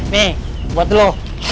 nih buat lo